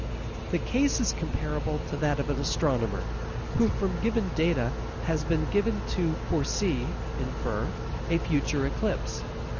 The case is comparable to that of an astronomer who from given data has been led to foresee (infer) a future eclipse.